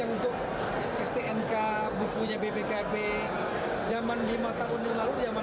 itu termasuk terendah di dunia di dunia diri